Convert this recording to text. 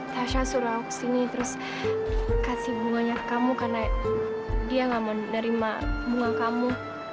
tasha suruh aku sini terus kasih bunganya ke kamu karena dia gak mau nerima bunga kamu